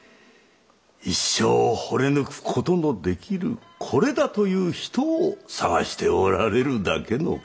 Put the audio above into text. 一生ほれ抜く事のできるこれだという人を探しておられるだけの事。